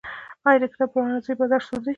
آیا د کتاب پلورنځیو بازار سوړ دی؟